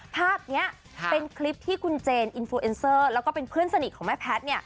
ภาพนี้เป็นคลิปที่คุณเจนอินโฟเอ็นเซอร์แล้วก็เป็นเพื่อนสนิทของแม่แพทย์